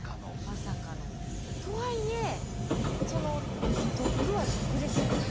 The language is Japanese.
まさかの。とはいえその毒は毒ですよね。